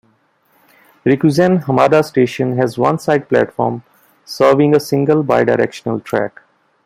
Rikuzen-Hamada Station has one side platform serving a single bi-directional track.